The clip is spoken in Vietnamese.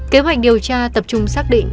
kế hoạch điều tra tập trung xác định